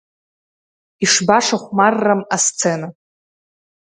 Ишбашахәмаррам асцена…